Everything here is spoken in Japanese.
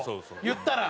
言ったら。